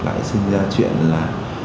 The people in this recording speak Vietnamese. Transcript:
lại sinh ra chuyện là